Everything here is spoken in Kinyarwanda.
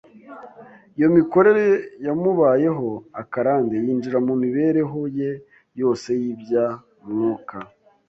Iyo mikorere yamubayeho akarande yinjira mu mibereho ye yose y’ibya Mwuka.